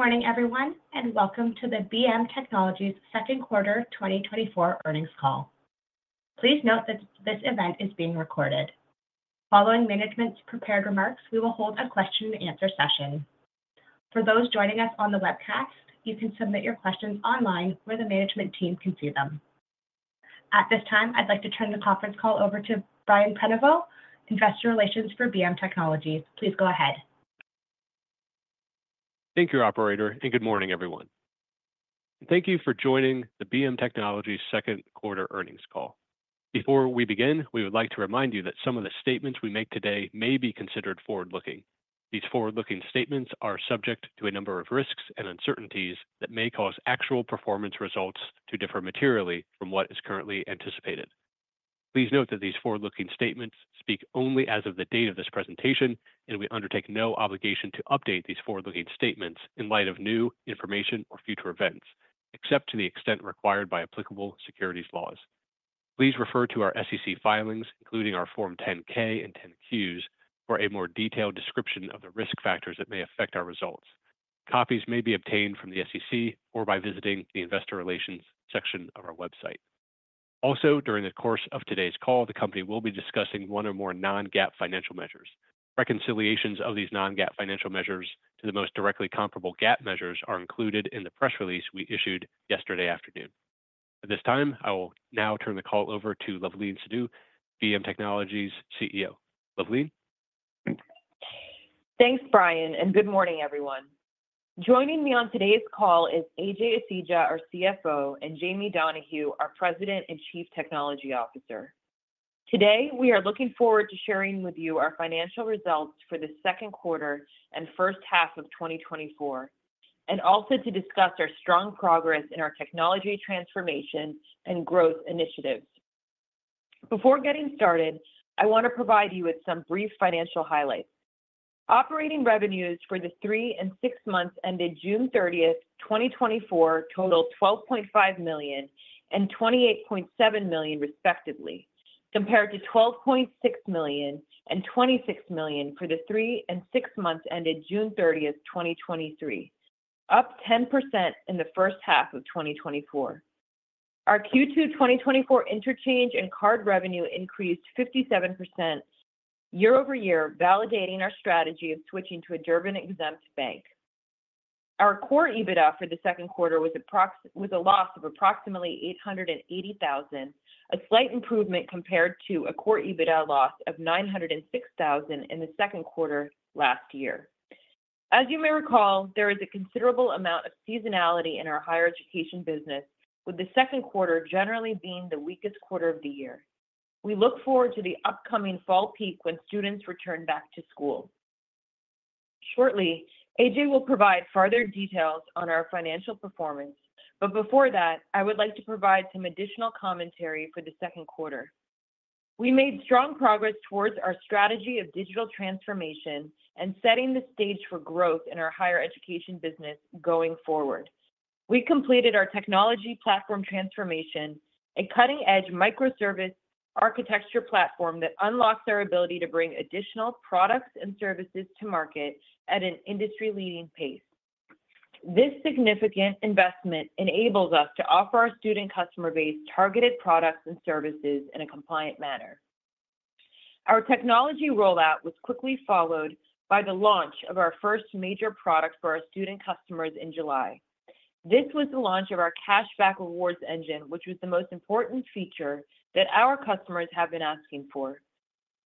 Good morning, everyone, and welcome to the BM Technologies Q2 2024 Earnings Call. Please note that this event is being recorded. Following management's prepared remarks, we will hold a question and answer session. For those joining us on the webcast, you can submit your questions online where the management team can see them. At this time, I'd like to turn the conference call over to Brian Prenoveau, Investor Relations for BM Technologies. Please go ahead. Thank you, operator, and good morning, everyone. Thank you for joining the BM Technologies Q2 Earnings Call. Before we begin, we would like to remind you that some of the statements we make today may be considered forward-looking. These forward-looking statements are subject to a number of risks and uncertainties that may cause actual performance results to differ materially from what is currently anticipated. Please note that these forward-looking statements speak only as of the date of this presentation, and we undertake no obligation to update these forward-looking statements in light of new information or future events, except to the extent required by applicable securities laws. Please refer to our SEC filings, including our Form 10-K and 10-Qs, for a more detailed description of the risk factors that may affect our results. Copies may be obtained from the SEC or by visiting the Investor Relations section of our website. Also, during the course of today's call, the company will be discussing one or more non-GAAP financial measures. Reconciliations of these non-GAAP financial measures to the most directly comparable GAAP measures are included in the press release we issued yesterday afternoon. At this time, I will now turn the call over to Luvleen Sidhu, BM Technologies CEO. Luvleen? Thanks, Brian, and good morning, everyone. Joining me on today's call is Ajay Asija, our CFO, and Jamie Donahue, our President and Chief Technology Officer. Today, we are looking forward to sharing with you our financial results for the Q2 and H1 of 2024, and also to discuss our strong progress in our technology transformation and growth initiatives. Before getting started, I want to provide you with some brief financial highlights. Operating revenues for the three and six months ended June 30th, 2024, totaled $12.5 million and $28.7 million respectively, compared to $12.6 million and $26 million for the three and six months ended June 30th, 2023, up 10% in the H1 of 2024. Our Q2 2024 interchange and card revenue increased 57% year-over-year, validating our strategy of switching to a Durbin-exempt bank. Our core EBITDA for the Q2 was a loss of approximately $880,000, a slight improvement compared to a core EBITDA loss of $906,000 in the Q2 last year. As you may recall, there is a considerable amount of seasonality in our Higher Education business, with the Q2 generally being the weakest quarter of the year. We look forward to the upcoming fall peak when students return back to school. Shortly, Ajay will provide further details on our financial performance, but before that, I would like to provide some additional commentary for the Q2. We made strong progress towards our strategy of digital transformation and setting the stage for growth in our Higher Education business going forward. We completed our technology platform transformation, a cutting-edge Microservice architecture platform that unlocks our ability to bring additional products and services to market at an industry-leading pace. This significant investment enables us to offer our student customer base targeted products and services in a compliant manner. Our technology rollout was quickly followed by the launch of our first major product for our student customers in July. This was the launch of our cashback rewards engine, which was the most important feature that our customers have been asking for.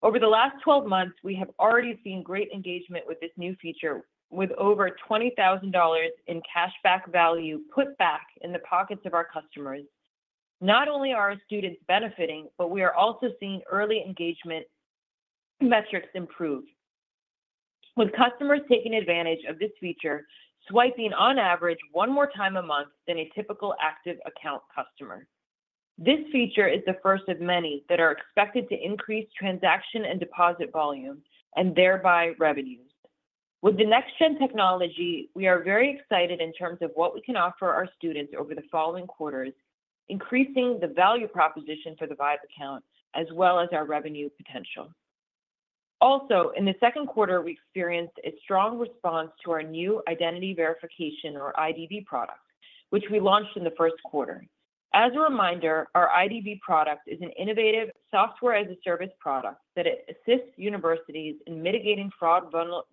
Over the last 12 months, we have already seen great engagement with this new feature, with over $20,000 in cashback value put back in the pockets of our customers. Not only are our students benefiting, but we are also seeing early engagement metrics improve. With customers taking advantage of this feature, swiping on average one more time a month than a typical active account customer. This feature is the first of many that are expected to increase transaction and deposit volume, and thereby revenues. With the next-gen technology, we are very excited in terms of what we can offer our students over the following quarters, increasing the value proposition for the Vibe account as well as our revenue potential. Also, in the Q2, we experienced a strong response to our new identity verification or IDV product, which we launched in the Q1. As a reminder, our IDV product is an innovative software as a service product that assists universities in mitigating fraud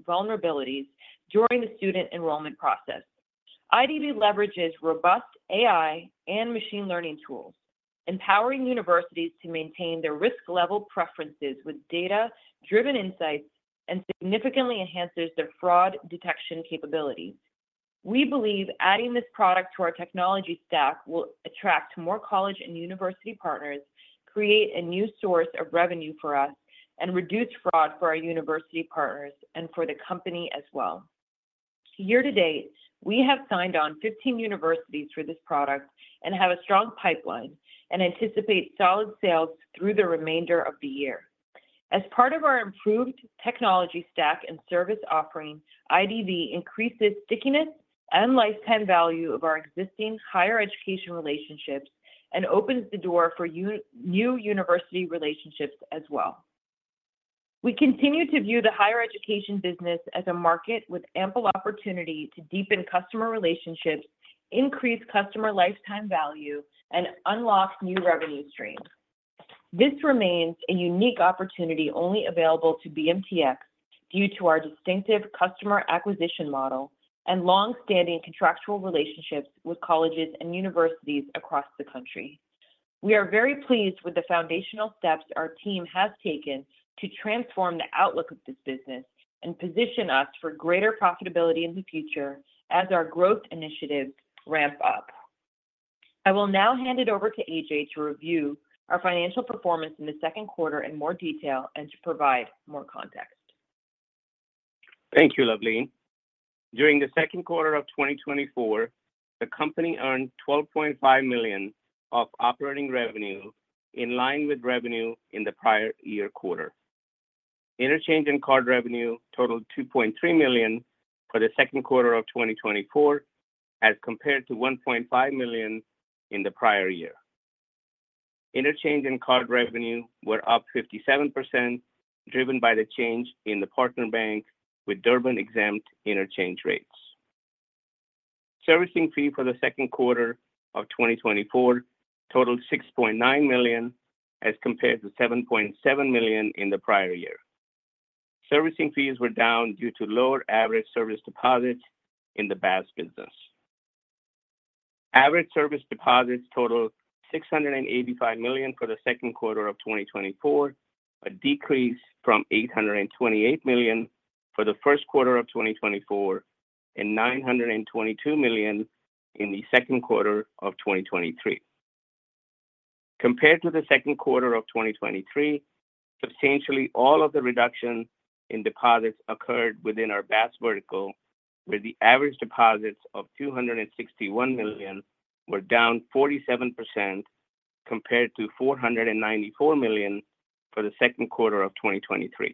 vulnerabilities during the student enrollment process. IDV leverages robust AI and machine learning tools, empowering universities to maintain their risk level preferences with data-driven insights, and significantly enhances their fraud detection capabilities. We believe adding this product to our technology stack will attract more college and university partners, create a new source of revenue for us, and reduce fraud for our university partners and for the company as well. Year to date, we have signed on 15 universities for this product and have a strong pipeline and anticipate solid sales through the remainder of the year. As part of our improved technology stack and service offering, IDV increases stickiness and lifetime value of our existing higher education relationships and opens the door for new university relationships as well. We continue to view the Higher Education business as a market with ample opportunity to deepen customer relationships, increase customer lifetime value, and unlock new revenue streams. This remains a unique opportunity only available to BMTX due to our distinctive customer acquisition model and long-standing contractual relationships with colleges and universities across the country. We are very pleased with the foundational steps our team has taken to transform the outlook of this business and position us for greater profitability in the future as our growth initiatives ramp up. I will now hand it over to Ajay to review our financial performance in the Q2 in more detail and to provide more context. Thank you, Luvleen. During the Q2 of 2024, the company earned $12.5 million of operating revenue, in line with revenue in the prior year quarter. Interchange and card revenue totaled $2.3 million for the Q2 of 2024, as compared to $1.5 million in the prior year. Interchange and card revenue were up 57%, driven by the change in the partner bank with Durbin-exempt interchange rates. Servicing fee for the Q2 of 2024 totaled $6.9 million, as compared to $7.7 million in the prior year. Servicing fees were down due to lower average service deposits in the BaaS business. Average service deposits totaled $685 million for the Q2 of 2024, a decrease from $828 million for the Q1 of 2024, and $922 million in the Q2 of 2023. Compared to the Q2 of 2023, substantially all of the reduction in deposits occurred within our BaaS vertical, where the average deposits of $261 million were down 47% compared to $494 million for the Q2 of 2023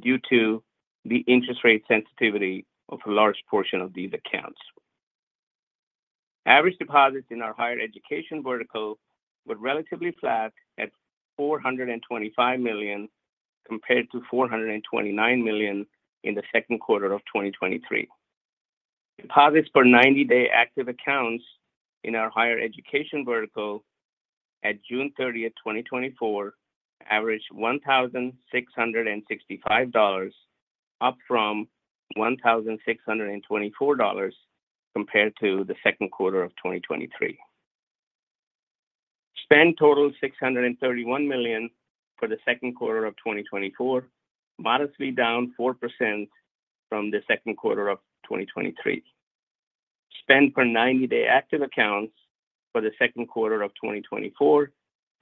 due to the interest rate sensitivity of a large portion of these accounts. Average deposits in our Higher Education vertical were relatively flat at $425 million, compared to $429 million in the Q2 of 2023. Deposits per ninety-day active accounts in our Higher Education vertical at June 30th, 2024, averaged $1,665, up from $1,624 compared to the Q2 of 2023. Spend totaled $631 million for the Q2 of 2024, modestly down 4% from the Q2 of 2023. Spend per ninety-day active accounts for the Q2 of 2024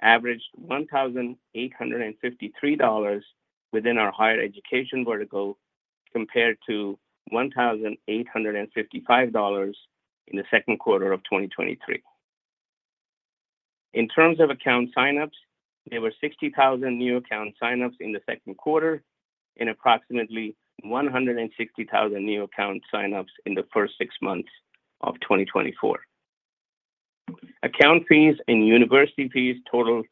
averaged $1,853 within our Higher Education vertical, compared to $1,855 in the Q2 of 2023. In terms of account sign-ups, there were 60,000 new account sign-ups in the Q2 and approximately 160,000 new account sign-ups in the first six months of 2024. Account fees and university fees totaled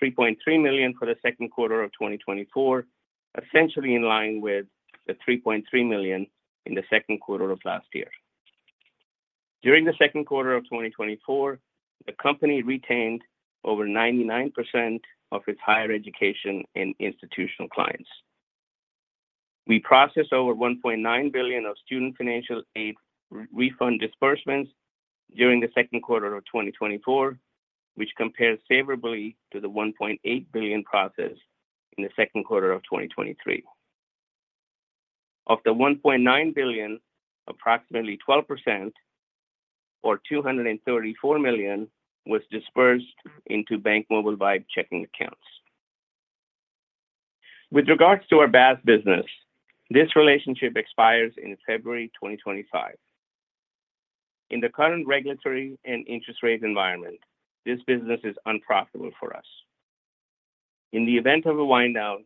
$3.3 million for the Q2 of 2024, essentially in line with the $3.3 million in the Q2 of last year. During the Q2 of 2024, the company retained over 99% of its higher education and institutional clients. We processed over $1.9 billion of student financial aid refund disbursements during the Q2 of 2024, which compares favorably to the $1.8 billion processed in the Q2 of 2023. Of the $1.9 billion, approximately 12%, or $234 million, was dispersed into BankMobile Vibe checking accounts. With regards to our BaaS business, this relationship expires in February 2025. In the current regulatory and interest rate environment, this business is unprofitable for us. In the event of a wind-down,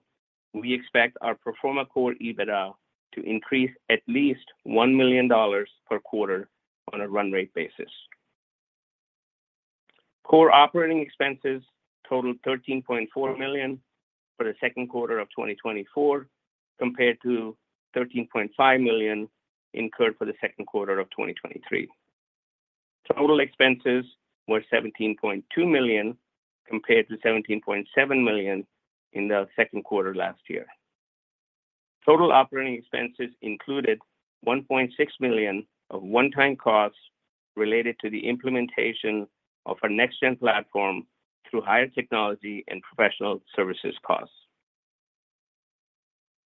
we expect our pro forma Core EBITDA to increase at least $1 million per quarter on a run rate basis. Core operating expenses totaled $13.4 million for the Q2 of 2024, compared to $13.5 million incurred for the Q2 of 2023. Total expenses were $17.2 million, compared to $17.7 million in the Q2 last year. Total operating expenses included $1.6 million of one-time costs related to the implementation of our next-gen platform through higher technology and professional services costs.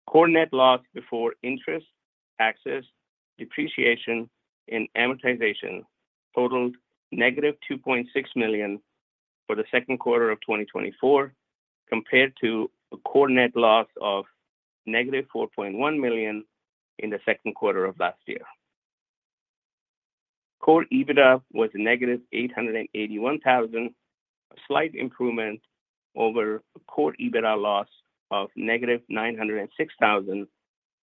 Core net loss before interest, taxes, depreciation, and amortization totaled -$2.6 million for the Q2 of 2024, compared to a core net loss of -$4.1 million in the Q2 of last year. Core EBITDA was -$881,000, a slight improvement over a core EBITDA loss of -$906,000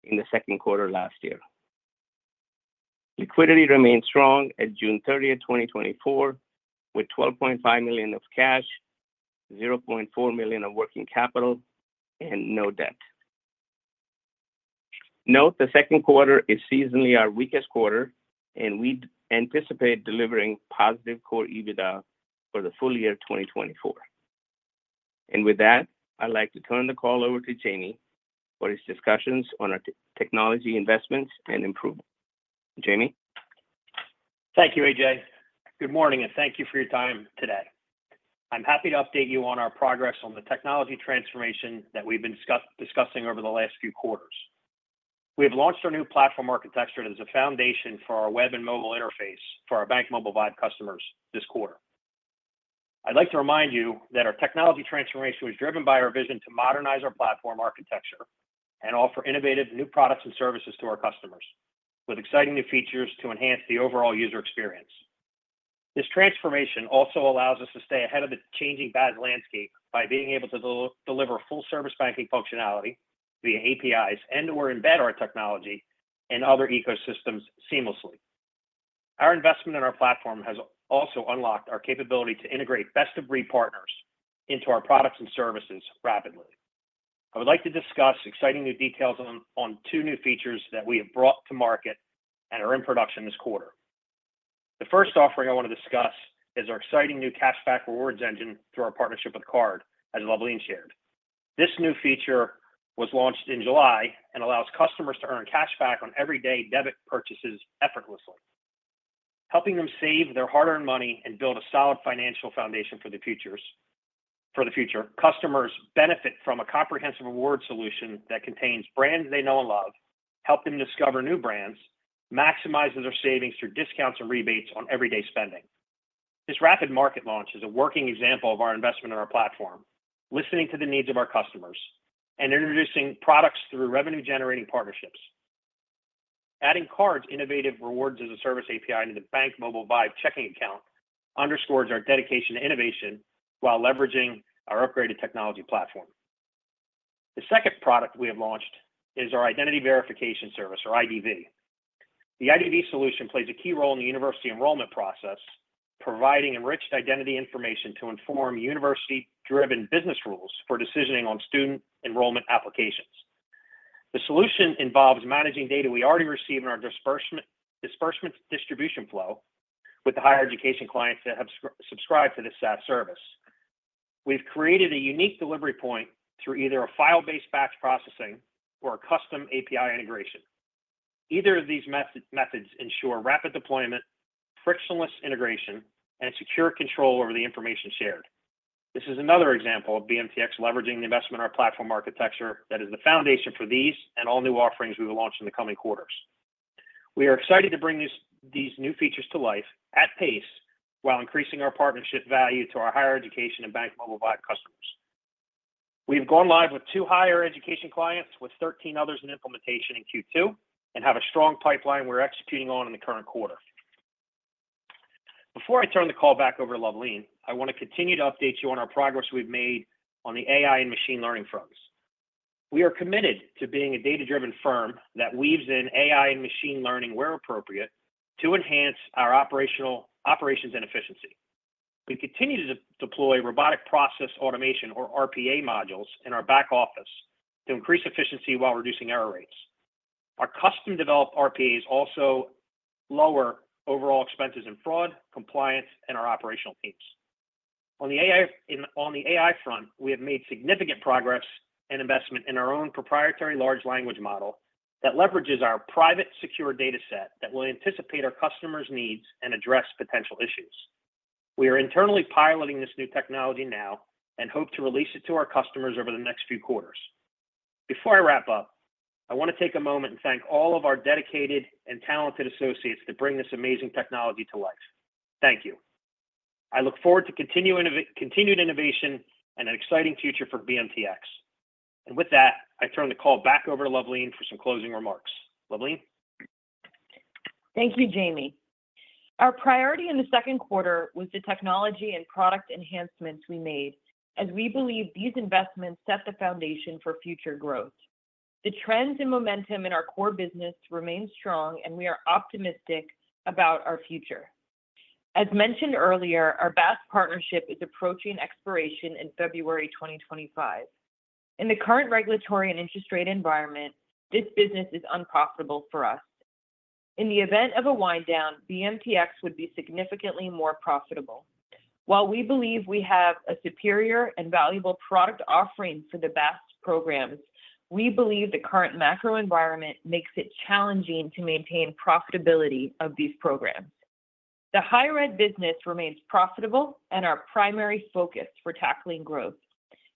in the Q2 last year. Liquidity remains strong at June 30th, 2024, with $12.5 million of cash, $0.4 million of working capital, and no debt. Note, the Q2 is seasonally our weakest quarter, and we anticipate delivering positive core EBITDA for the full year 2024. With that, I'd like to turn the call over to Jamie for his discussions on our technology investments and improvement. Jamie? Thank you, Ajay. Good morning, and thank you for your time today. I'm happy to update you on our progress on the technology transformation that we've been discussing over the last few quarters. We have launched our new platform architecture as a foundation for our web and mobile interface for our BankMobile Vibe customers this quarter. I'd like to remind you that our technology transformation was driven by our vision to modernize our platform architecture and offer innovative new products and services to our customers, with exciting new features to enhance the overall user experience. This transformation also allows us to stay ahead of the changing fintech landscape by being able to deliver full service banking functionality via APIs, and/or embed our technology in other ecosystems seamlessly. Our investment in our platform has also unlocked our capability to integrate best-of-breed partners into our products and services rapidly. I would like to discuss exciting new details on two new features that we have brought to market and are in production this quarter. The first offering I want to discuss is our exciting new cashback rewards engine through our partnership with Kard, as Luvleen shared. This new feature was launched in July and allows customers to earn cashback on everyday debit purchases effortlessly, helping them save their hard-earned money and build a solid financial foundation for the future. Customers benefit from a comprehensive reward solution that contains brands they know and love, help them discover new brands, maximizes their savings through discounts and rebates on everyday spending. This rapid market launch is a working example of our investment in our platform, listening to the needs of our customers, and introducing products through revenue-generating partnerships. Adding Kard's innovative rewards as a service API into the BankMobile Vibe checking account underscores our dedication to innovation while leveraging our upgraded technology platform. The second product we have launched is our identity verification service, or IDV. The IDV solution plays a key role in the university enrollment process, providing enriched identity information to inform university-driven business rules for decisioning on student enrollment applications. The solution involves managing data we already receive in our disbursement, disbursement distribution flow with the higher education clients that have subscribed to this SaaS service. We've created a unique delivery point through either a file-based batch processing or a custom API integration. Either of these methods ensure rapid deployment, frictionless integration, and secure control over the information shared. This is another example of BMTX leveraging the investment in our platform architecture that is the foundation for these and all new offerings we will launch in the coming quarters. We are excited to bring these, these new features to life at pace while increasing our partnership value to our Higher Education and BankMobile Vibe customers. We've gone live with two higher education clients, with 13 others in implementation in Q2, and have a strong pipeline we're executing on in the current quarter. Before I turn the call back over to Luvleen, I want to continue to update you on our progress we've made on the AI and machine learning fronts. We are committed to being a data-driven firm that weaves in AI and machine learning where appropriate to enhance our operations and efficiency. We continue to deploy robotic process automation, or RPA modules, in our back office to increase efficiency while reducing error rates. Our custom-developed RPAs also lower overall expenses in fraud, compliance, and our operational teams. On the AI front, we have made significant progress and investment in our own proprietary large language model that leverages our private, secure data set that will anticipate our customers' needs and address potential issues. We are internally piloting this new technology now and hope to release it to our customers over the next few quarters. Before I wrap up, I want to take a moment and thank all of our dedicated and talented associates that bring this amazing technology to life. Thank you. I look forward to continued innovation and an exciting future for BMTX. With that, I turn the call back over to Luvleen for some closing remarks. Luvleen? Thank you, Jamie. Our priority in the Q2 was the technology and product enhancements we made, as we believe these investments set the foundation for future growth. The trends and momentum in our core business remain strong, and we are optimistic about our future. As mentioned earlier, our best partnership is approaching expiration in February 2025. In the current regulatory and interest rate environment, this business is unprofitable for us. In the event of a wind down, BMTX would be significantly more profitable. While we believe we have a superior and valuable product offering for the BAS programs, we believe the current macro environment makes it challenging to maintain profitability of these programs. The Higher Ed business remains profitable and our primary focus for tackling growth.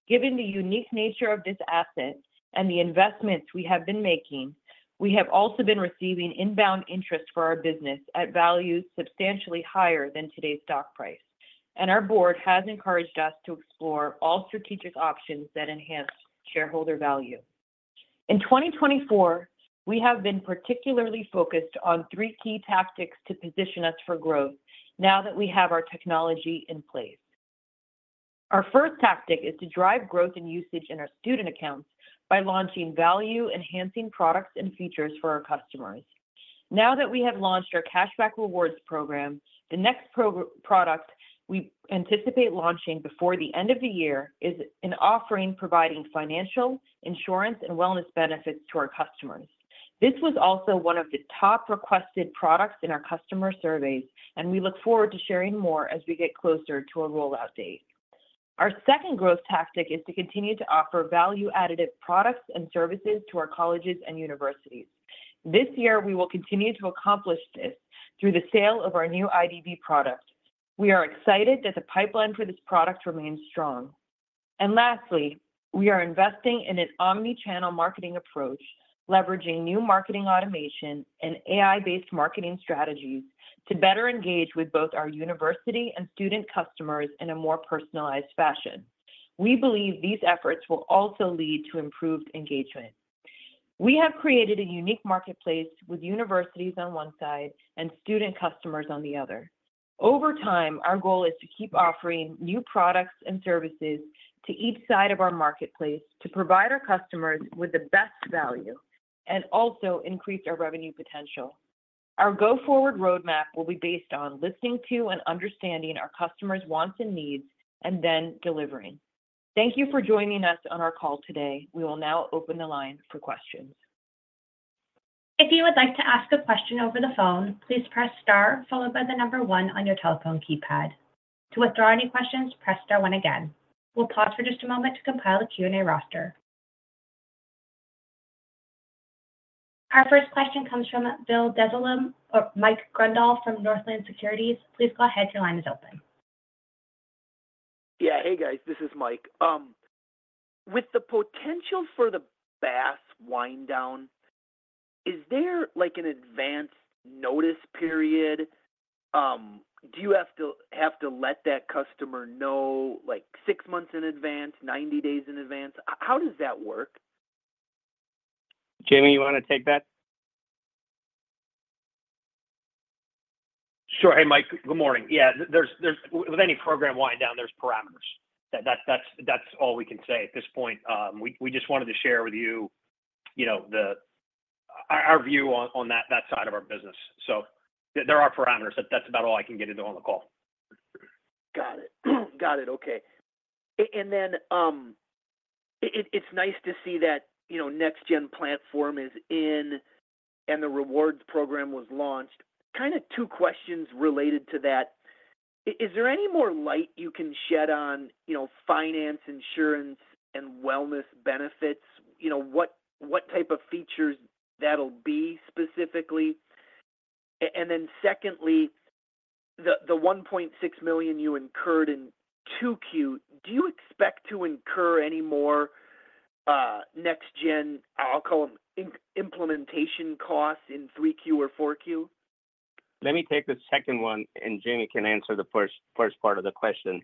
Given the unique nature of this asset and the investments we have been making, we have also been receiving inbound interest for our business at values substantially higher than today's stock price, and our board has encouraged us to explore all strategic options that enhance shareholder value. In 2024, we have been particularly focused on three key tactics to position us for growth now that we have our technology in place... Our first tactic is to drive growth and usage in our student accounts by launching value-enhancing products and features for our customers. Now that we have launched our cashback rewards program, the next product we anticipate launching before the end of the year is an offering providing financial, insurance, and wellness benefits to our customers. This was also one of the top requested products in our customer surveys, and we look forward to sharing more as we get closer to a rollout date. Our second growth tactic is to continue to offer value-additive products and services to our colleges and universities. This year, we will continue to accomplish this through the sale of our new IDV product. We are excited that the pipeline for this product remains strong. Lastly, we are investing in an omni-channel marketing approach, leveraging new marketing automation and AI-based marketing strategies to better engage with both our university and student customers in a more personalized fashion. We believe these efforts will also lead to improved engagement. We have created a unique marketplace with universities on one side and student customers on the other. Over time, our goal is to keep offering new products and services to each side of our marketplace to provide our customers with the best value, and also increase our revenue potential. Our go-forward roadmap will be based on listening to and understanding our customers' wants and needs, and then delivering. Thank you for joining us on our call today. We will now open the line for questions. If you would like to ask a question over the phone, please press star followed by the number one on your telephone keypad. To withdraw any questions, press star one again. We'll pause for just a moment to compile a Q&A roster. Our first question comes from Bill Dezellem or Mike Grondahl from Northland Securities. Please go ahead. Your line is open. Yeah. Hey, guys, this is Mike. With the potential for the BAS wind down, is there, like, an advanced notice period? Do you have to, have to let that customer know, like, 6 months in advance, 90 days in advance? How does that work? Jamie, you want to take that? Sure. Hey, Mike. Good morning. Yeah, there's with any program wind down, there's parameters. That's all we can say at this point. We just wanted to share with you, you know, our view on that side of our business. So there are parameters, but that's about all I can get into on the call. Got it. Got it, okay. And then, it's nice to see that, you know, next gen platform is in and the rewards program was launched. Kinda two questions related to that. Is there any more light you can shed on, you know, finance, insurance, and wellness benefits? You know, what type of features that'll be specifically? And then secondly, the $1.6 million you incurred in 2Q, do you expect to incur any more, next gen, I'll call them implementation costs in 3Q or 4Q? Let me take the second one, and Jamie can answer the first part of the question.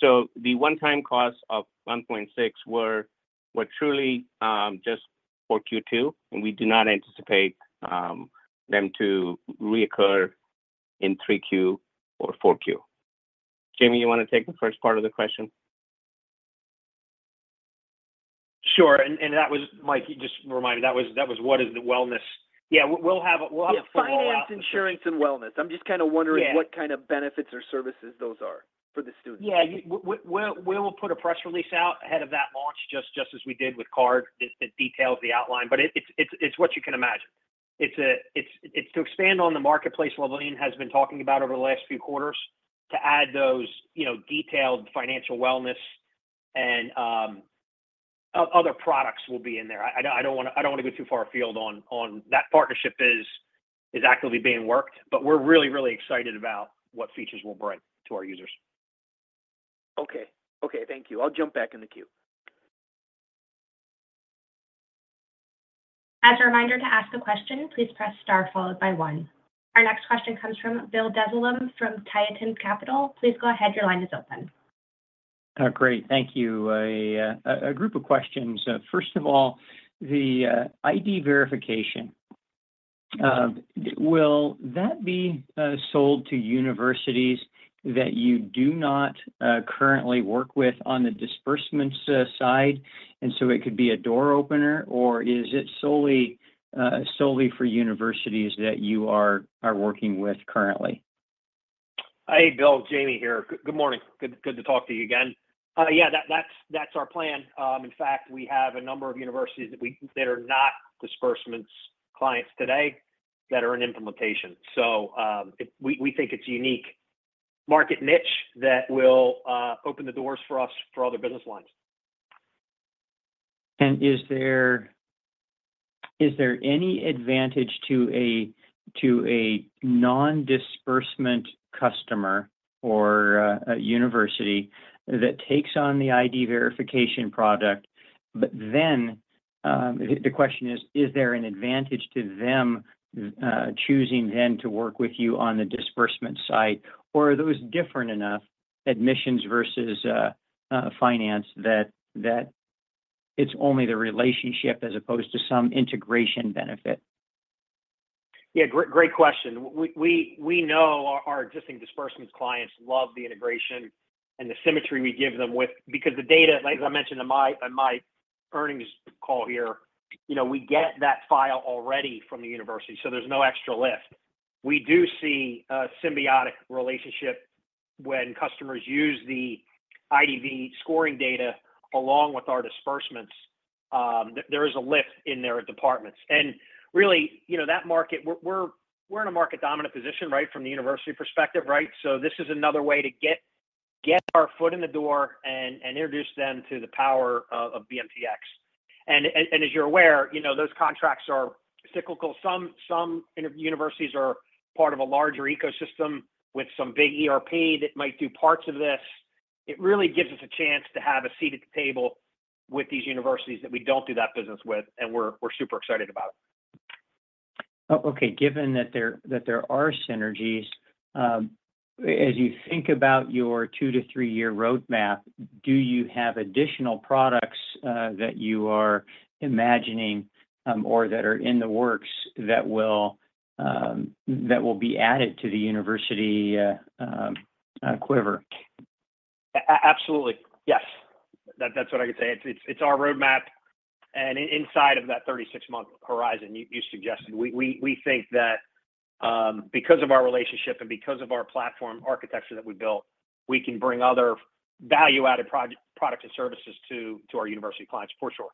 So the one-time cost of $1.6 were truly just for Q2, and we do not anticipate them to reoccur in 3Q or 4Q. Jamie, you want to take the first part of the question? Sure. And that was, Mike, you just reminded, that was what is the wellness? Yeah, we'll have a follow-up. Finance, insurance, and wellness. I'm just kinda wondering- Yeah .what kind of benefits or services those are for the students? Yeah, we will put a press release out ahead of that launch, just as we did with Kard, that details the outline, but it's what you can imagine. It's to expand on the marketplace Luvleen has been talking about over the last few quarters, to add those, you know, detailed financial wellness and other products will be in there. I don't wanna go too far afield on that. Partnership is actively being worked, but we're really excited about what features we'll bring to our users. Okay. Okay, thank you. I'll jump back in the queue. As a reminder to ask a question, please press star followed by one. Our next question comes from Bill Dezellem from Tieton Capital. Please go ahead. Your line is open. Great. Thank you. A group of questions. First of all, the ID verification, will that be sold to universities that you do not currently work with on the disbursements side, and so it could be a door opener, or is it solely solely for universities that you are working with currently? Hey, Bill, Jamie here. Good morning. Good, good to talk to you again. Yeah, that's our plan. In fact, we have a number of universities that are not disbursements clients today that are in implementation. So, we think it's unique market niche that will open the doors for us for other business lines. Is there any advantage to a non-disbursement customer or a university that takes on the Identity Verification product? But then, the question is: Is there an advantage to them choosing then to work with you on the disbursement side, or are those different enough, admissions versus finance, that it's only the relationship as opposed to some integration benefit? Yeah, great question. We know our existing disbursements clients love the integration and the symmetry we give them with because the data, like as I mentioned in my earnings call here, you know, we get that file already from the university, so there's no extra lift. We do see a symbiotic relationship when customers use the IDV scoring data along with our disbursements, there is a lift in their departments. And really, you know, that market, we're in a market dominant position, right, from the university perspective, right? So this is another way to get our foot in the door and introduce them to the power of BMTX. And as you're aware, you know, those contracts are cyclical. Some universities are part of a larger ecosystem with some big ERP that might do parts of this. It really gives us a chance to have a seat at the table with these universities that we don't do that business with, and we're super excited about it. Oh, okay. Given that there are synergies, as you think about your 2-3-year roadmap, do you have additional products that you are imagining or that are in the works that will be added to the university quiver? Absolutely. Yes. That's what I can say. It's our roadmap, and inside of that 36-month horizon you suggested, we think that, because of our relationship and because of our platform architecture that we built, we can bring other value-added products and services to our university clients, for sure.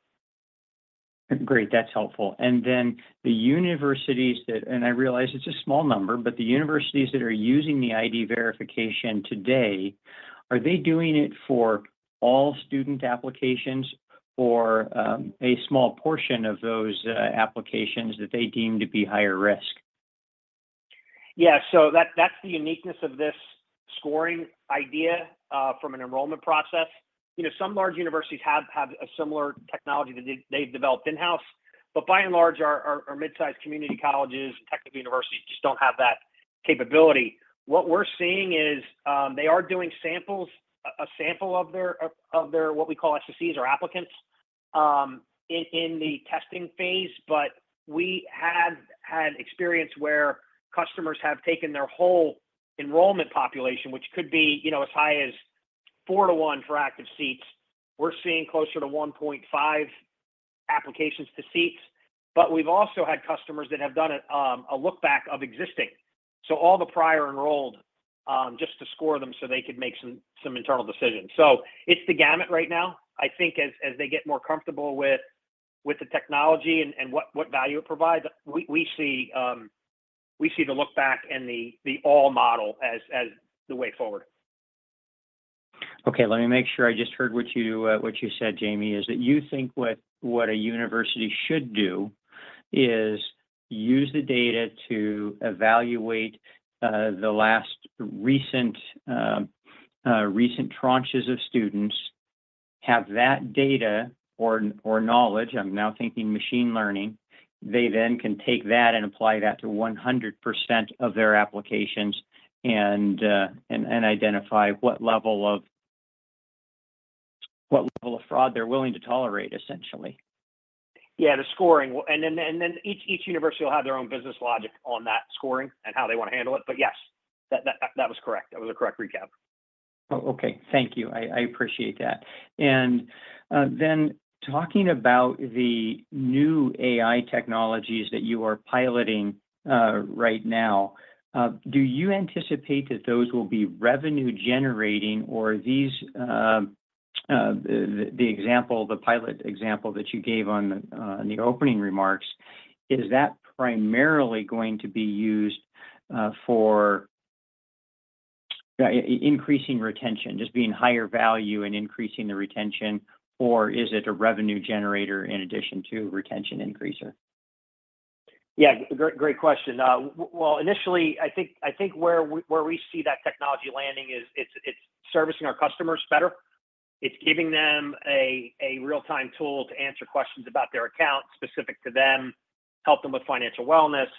Great, that's helpful. And then the universities that, and I realize it's a small number, but the universities that are using the ID verification today, are they doing it for all student applications or, a small portion of those, applications that they deem to be higher risk? Yeah, so that's the uniqueness of this scoring idea from an enrollment process. You know, some large universities have had a similar technology that they've developed in-house, but by and large, our mid-sized community colleges and technical universities just don't have that capability. What we're seeing is they are doing a sample of their what we call SECs or applicants in the testing phase. But we have had experience where customers have taken their whole enrollment population, which could be, you know, as high as 4-to-1 for active seats. We're seeing closer to 1.5 applications to seats, but we've also had customers that have done a look back of existing. So all the prior enrolled just to score them so they could make some internal decisions. So it's the gamut right now. I think as they get more comfortable with the technology and what value it provides, we see the look back and the all model as the way forward. Okay, let me make sure I just heard what you said, Jamie, is that you think what a university should do is use the data to evaluate the last recent tranches of students, have that data or knowledge, I'm now thinking machine learning, they then can take that and apply that to 100% of their applications, and identify what level of fraud they're willing to tolerate, essentially. Yeah, the scoring. And then each university will have their own business logic on that scoring and how they want to handle it. But yes, that was correct. That was a correct recap. Oh, okay. Thank you. I appreciate that. And then talking about the new AI technologies that you are piloting right now, do you anticipate that those will be revenue generating or these, the example, the pilot example that you gave in the opening remarks, is that primarily going to be used for increasing retention, just being higher value and increasing the retention, or is it a revenue generator in addition to retention increaser? Yeah, great, great question. Well, initially, I think where we see that technology landing is it's servicing our customers better. It's giving them a real-time tool to answer questions about their account specific to them, help them with financial wellness.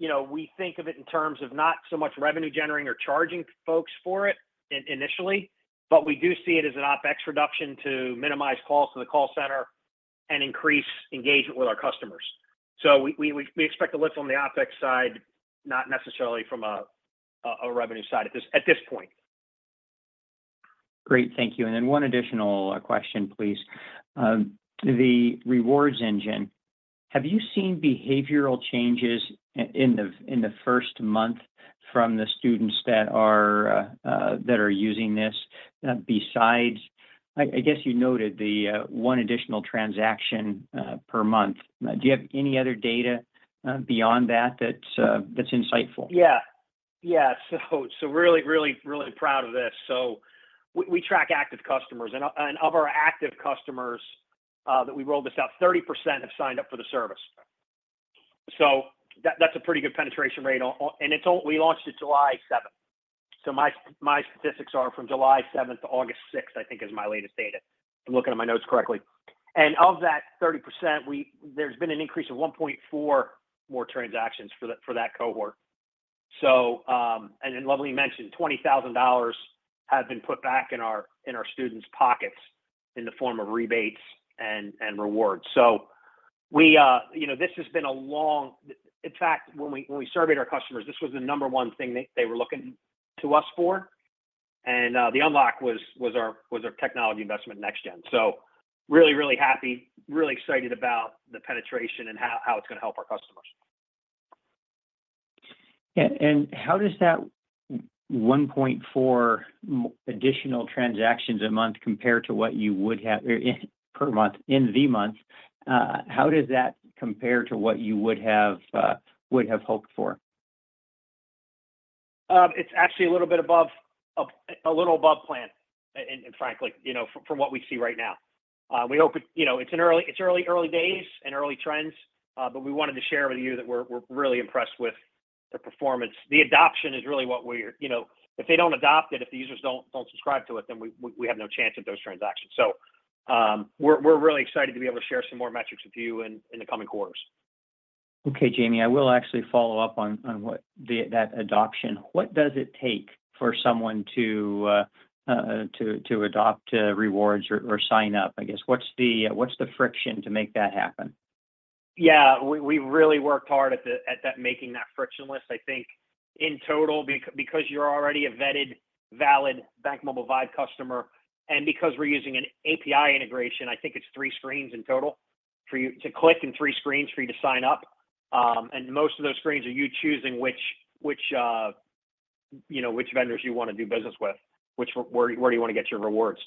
You know, we think of it in terms of not so much revenue generating or charging folks for it initially, but we do see it as an OpEx reduction to minimize calls to the call center and increase engagement with our customers. So we expect a lift on the OpEx side, not necessarily from a revenue side at this point. Great, thank you. And then one additional question, please. The rewards engine, have you seen behavioral changes in the first month from the students that are using this. Besides,I guess you noted the one additional transaction per month. Do you have any other data beyond that that's insightful? Yeah. Yeah. So really, really, really proud of this. So we track active customers, and of our active customers that we rolled this out, 30% have signed up for the service. So that's a pretty good penetration rate on And it's only—we launched it July 7th. So my statistics are from July 7th to August 6th, I think is my latest data. I'm looking at my notes correctly. And of that 30%, there's been an increase of 1.4 more transactions for that cohort. So, and then Luvleen mentioned $20,000 have been put back in our students' pockets in the form of rebates and rewards. So we, you know, this has been a long, in fact, when we surveyed our customers, this was the number one thing they were looking to us for. And the unlock was our technology investment next gen. So really, really happy, really excited about the penetration and how it's going to help our customers. How does that 1.4 additional transactions a month compare to what you would have hoped for? It's actually a little bit above plan, and frankly, you know, from what we see right now. We hope, you know, it's early days and early trends, but we wanted to share with you that we're really impressed with the performance. The adoption is really what we're... You know, if they don't adopt it, if the users don't subscribe to it, then we have no chance at those transactions. So, we're really excited to be able to share some more metrics with you in the coming quarters. Okay, Jamie, I will actually follow up on that adoption. What does it take for someone to adopt rewards or sign up, I guess? What's the friction to make that happen? Yeah, we really worked hard at that, making that frictionless. I think in total, because you're already a vetted, valid BankMobile Vibe customer, and because we're using an API integration, I think it's three screens in total for you to click and three screens for you to sign up. And most of those screens are you choosing which, you know, which vendors you want to do business with, where you want to get your rewards.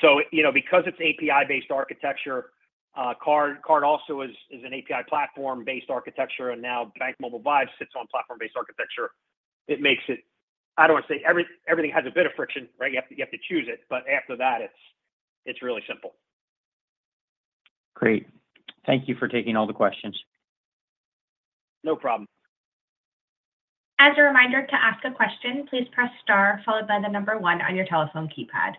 So, you know, because it's API-based architecture, Kard also is an API platform-based architecture, and now BankMobile Vibe sits on platform-based architecture. It makes it, I don't want to say everything has a bit of friction, right? You have to choose it, but after that, it's really simple. Great. Thank you for taking all the questions. No problem. As a reminder, to ask a question, please press star followed by the number one on your telephone keypad.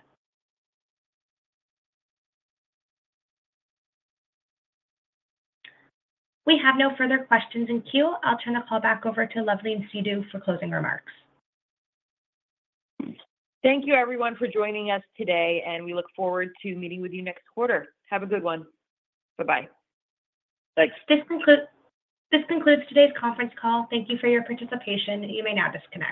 We have no further questions in queue. I'll turn the call back over to Luvleen Sidhu for closing remarks. Thank you, everyone, for joining us today, and we look forward to meeting with you next quarter. Have a good one. Bye-bye. Thanks. This concludes today's conference call. Thank you for your participation. You may now disconnect.